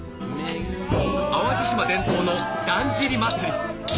淡路島伝統のだんじり祭り